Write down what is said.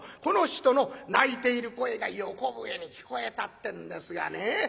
この人の泣いている声が横笛に聞こえたってんですがね